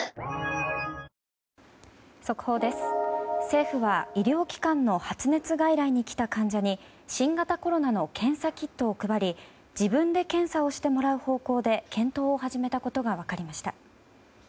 政府は医療機関の発熱外来に来た患者に新型コロナの検査キットを配り自分で検査をしてもらう方向で検討を始めたことが分かりました。